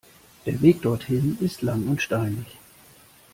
Der Weg dorthin ist lang und steinig.